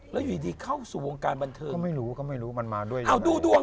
แล้วอยู่ดีเข้าสู่วงการบันเทิงก็ไม่รู้ก็ไม่รู้มันมาด้วยนะเอาดูดวง